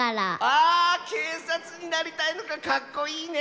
ああけいさつになりたいとかかっこいいね！